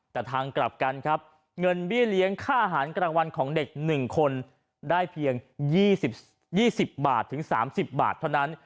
แต่ทางกลับกันครับเงินเบี้ยเลี้ยงค่าอาหารกลางวันของเด็ก๑คนได้เพียง๒๐บาทถึง๓๐บาทเท่านั้น